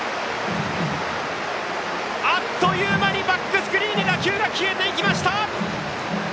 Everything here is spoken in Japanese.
あっという間にバックスクリーンに打球が消えていきました！